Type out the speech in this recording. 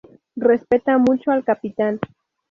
Respeta mucho al Capitán.